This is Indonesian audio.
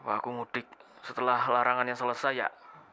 aku mudik setelah larangannya selesai ya